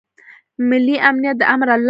ملي امنیت د امرالله شو.